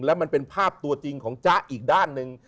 แล้วมันเป็นภาพตัวจริงของจ๊ะอีกด้านหนึ่ง